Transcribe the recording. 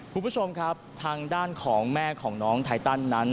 คุณผู้ชมครับทางด้านของแม่ของน้องไทตันนั้น